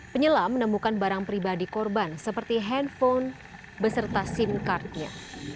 penyelam menemukan barang pribadi korban seperti handphone beserta sim cardnya